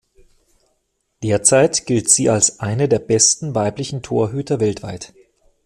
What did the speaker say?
Derzeit gilt sie als eine der besten weiblichen Torhüter weltweit.